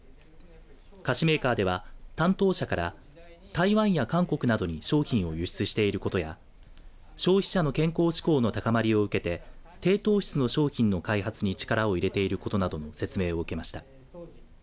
菓子メーカーでは、担当者から台湾や韓国などに商品を輸出していることや消費者の健康志向の高まりを受けて低糖質の商品の開発に力を入れていることなどの説明を受けました。